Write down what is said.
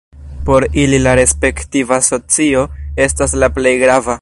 Por ili la respektiva socio estas la plej grava.